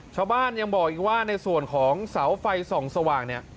ชาวบ้านยังบอกอีกว่าในส่วนของเสาไฟส่องสว่างเนี่ย